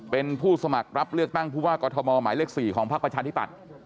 เป็นผู้สมัครรับเลือกตั้งคือว่ากฎธมอบนักศึกษาสตินภาพประชาศนิษฐศ์ใหม่๔ของภาคประชาธิตัติ